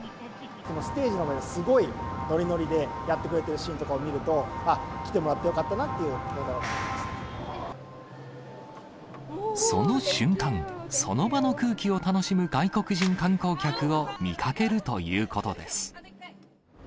ステージの上で、すごいのりのりでやってくれてるシーンとかを見ると、あっ、その瞬間、その場の空気を楽しむ外国人観光客を見かけるということです。